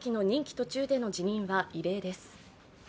途中での辞任は異例です。